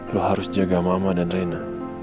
lo harus jaga mama dan rena